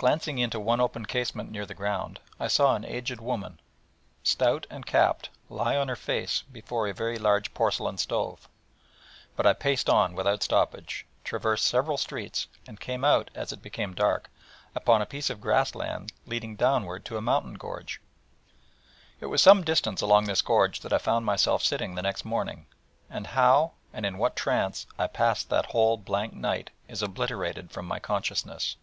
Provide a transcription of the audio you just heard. Glancing into one open casement near the ground, I saw an aged woman, stout and capped, lie on her face before a very large porcelain stove; but I paced on without stoppage, traversed several streets, and came out, as it became dark, upon a piece of grass land leading downward to a mountain gorge. It was some distance along this gorge that I found myself sitting the next morning: and how, and in what trance, I passed that whole blank night is obliterated from my consciousness.